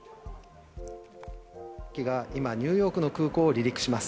今、ニューヨークの空港を離陸します。